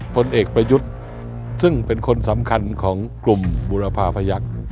ผลเอกประยุทธ์ซึ่งเป็นคนสำคัญของกลุ่มบุรพาพยักษ์